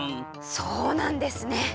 そうなんですね！